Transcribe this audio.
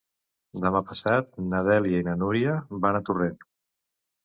Demà passat na Dèlia i na Núria van a Torrent.